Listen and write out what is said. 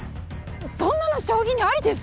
そんなの将棋にありですか？